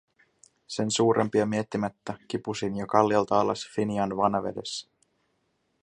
Sen suurempia miettimättä, kipusin jo kalliota alas Finian vanavedessä.